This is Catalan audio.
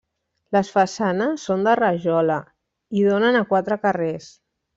Les façanes són de rajola i donen a quatre carrers.